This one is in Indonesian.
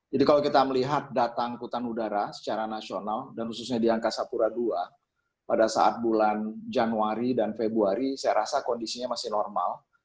jadi kalau kita melihat datang hutan udara secara nasional dan khususnya di angka sapura dua pada saat bulan januari dan februari saya rasa kondisinya masih normal